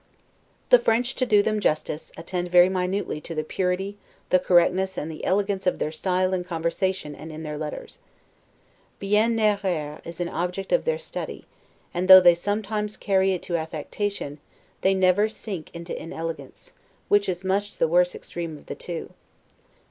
The French, to do them justice, attend very minutely to the purity, the correctness, and the elegance of their style in conversation and in their letters. 'Bien narrer' is an object of their study; and though they sometimes carry it to affectation, they never sink into inelegance, which is much the worst extreme of the two.